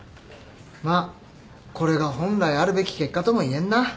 まあこれが本来あるべき結果とも言えるな。